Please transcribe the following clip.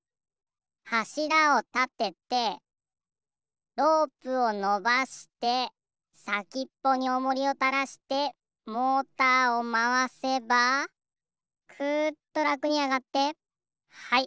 はしらをたててロープをのばしてさきっぽにおもりをたらしてモーターをまわせばくっとらくにあがってはい。